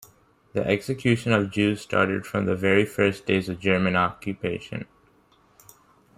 The execution of Jews started from the very first days of German occupation.